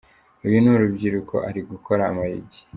Uyu ni urubyiruko ari gukora amayugi.